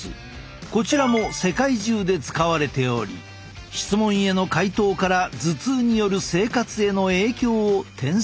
こちらも世界中で使われており質問への回答から頭痛による生活への影響を点数化する。